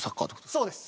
そうです。